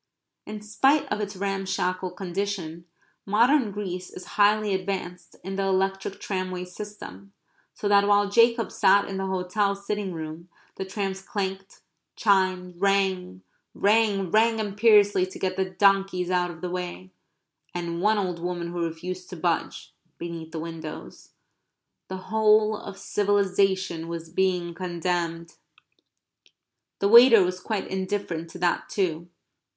In spite of its ramshackle condition modern Greece is highly advanced in the electric tramway system, so that while Jacob sat in the hotel sitting room the trams clanked, chimed, rang, rang, rang imperiously to get the donkeys out of the way, and one old woman who refused to budge, beneath the windows. The whole of civilization was being condemned. The waiter was quite indifferent to that too.